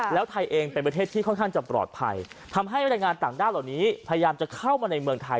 แล้วไทยเองเป็นประเทศที่ค่อนข้างจะปลอดภัยทำให้บรรยายงานต่างด้าวเหล่านี้พยายามจะเข้ามาในเมืองไทย